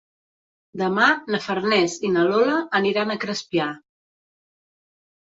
Demà na Farners i na Lola aniran a Crespià.